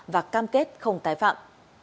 và cam kết không tái phạm